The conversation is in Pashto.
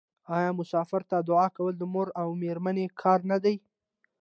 آیا مسافر ته دعا کول د مور او میرمنې کار نه دی؟